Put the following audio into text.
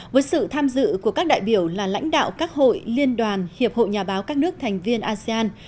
với sự tham dự của các đại biểu là lãnh đạo các hội liên đoàn hiệp hội nhà báo các nước thành viên asean